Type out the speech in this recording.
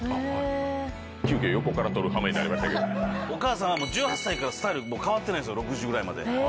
急きょ、横から撮るはめになお母さん、１８歳からスタイル変わってないんですよ、６０ぐらいまで。